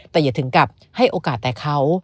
แต่อย่าถึงกับให้โอกาสแต่เขา